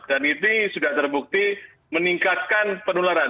dan ini sudah terbukti meningkatkan penularan